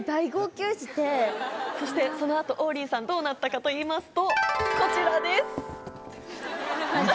そしてその後王林さんどうなったかといいますとこちらです！